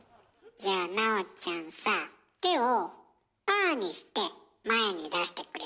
じゃあ奈緒ちゃんさ手をパーにして前に出してくれる？